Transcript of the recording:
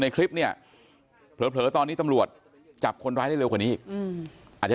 ในคลิปเนี่ยเผลอตอนนี้ตำรวจจับคนร้ายได้เร็วกว่านี้อาจจะ